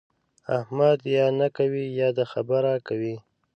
احمد یا نه کوي يا د خبره کوي.